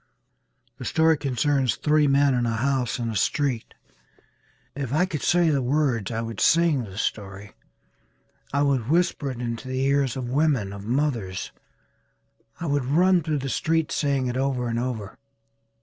The story concerns three men in a house in a street. If I could say the words I would sing the story. I would whisper it into the ears of women, of mothers. I would run through the streets saying it over and over.